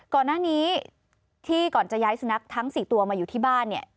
ก่อนหน้านี้ที่ก่อนจะย้ายสุนัขทั้ง๔ตัวมาอยู่ที่บ้านเนี่ย